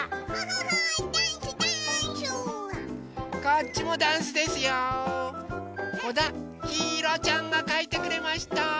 こだひいろちゃんがかいてくれました。